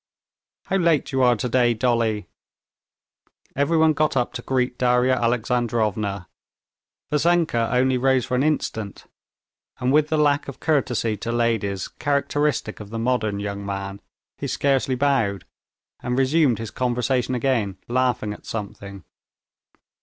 "How late you are today, Dolly!" Everyone got up to greet Darya Alexandrovna. Vassenka only rose for an instant, and with the lack of courtesy to ladies characteristic of the modern young man, he scarcely bowed, and resumed his conversation again, laughing at something.